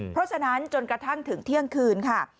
เพราะฉะนั้นจนกระทั่งถึงเที่ยงคืนค่ะ